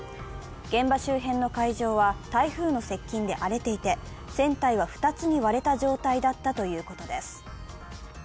現場周辺の海上は台風の接近で荒れていて船体は２つに割れた状態だったということです。